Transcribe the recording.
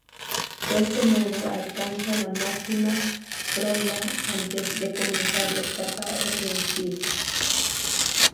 De este modo alcanza la máxima fronda antes de comenzar la etapa reproductiva.